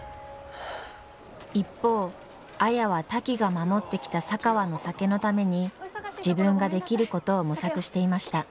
一方綾はタキが守ってきた佐川の酒のために自分ができることを模索していました。